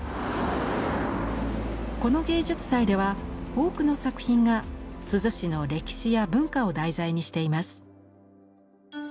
この芸術祭では多くの作品が珠洲市の歴史や文化を題材にしています。